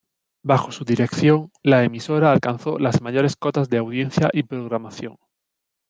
Bajo su dirección, la emisora alcanzó las mayores cotas de audiencia y programación.